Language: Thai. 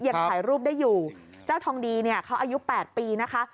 ยังถ่ายรูปได้อยู่เจ้าทองดีเนี่ยเขาอายุ๘ปีนะคะ